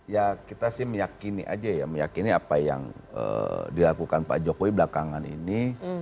ya kita sih meyakini aja ya meyakini apa yang dilakukan pak jokowi belakangan ini